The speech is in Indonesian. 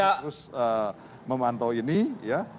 kami terus memantau ini ya